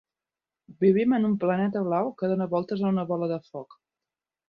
Vivim en un planeta blau, que dóna voltes a una bola de foc.